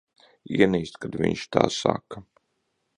Ienīstu, kad viņš tā saka.